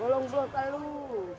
bolong pulut telur